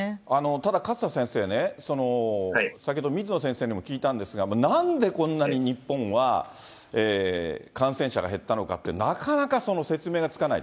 ただ勝田先生ね、先ほど水野先生にも聞いたんですが、なんでこんなに日本は感染者が減ったのかって、なかなか説明がつかない、